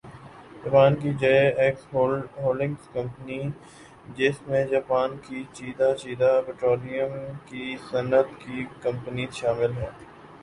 Japan کی J X holdings company جس میں جاپان کی چیدہ چیدہ پٹرولیم کی صنعت کی کمپنیز شامل ہیں